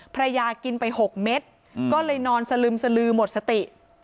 ภรรยากินไป๖เม็ดก็เลยนอนสลึมสลือหมดสติ